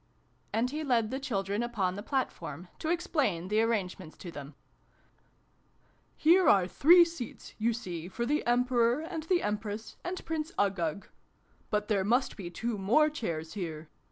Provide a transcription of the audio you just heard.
And he led the children upon the platform, to explain the arrangements to them. " Here are xx] GAMMON AND SPINACH. 321 three seats, you see, for the Emperor and the Empress and Prince Uggug. But there must be two more chairs here